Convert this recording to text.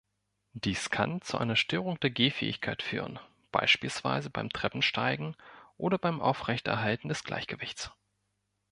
Dies kann zu einer Störung der Gehfähigkeit führen, beispielsweise beim Treppensteigen oder beim Aufrechterhalten des Gleichgewichts.